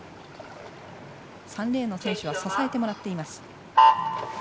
３レーンの選手は支えてもらっています。